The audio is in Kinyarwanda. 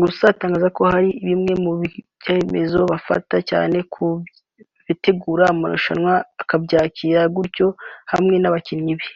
gusa atangaza ko hari bimwe mu byemezo bifatwa cyane ku bategura marushanwa akabyakira gutyo hamwe n’abakinnyi be